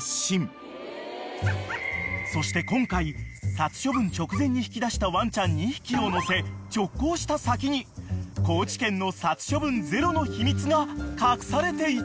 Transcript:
［そして今回殺処分直前に引き出したワンちゃん２匹を乗せ直行した先に高知県の殺処分ゼロの秘密が隠されていた］